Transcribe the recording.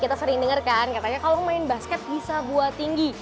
kita sering dengar kan katanya kalau main basket bisa buat tinggi